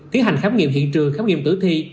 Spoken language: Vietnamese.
tiến hành khám nghiệm hiện trường khám nghiệm tử thi